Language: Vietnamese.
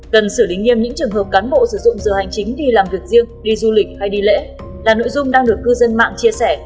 cần xử lý nghiêm những trường hợp cán bộ sử dụng giờ hành chính đi làm việc riêng đi du lịch hay đi lễ là nội dung đang được cư dân mạng chia sẻ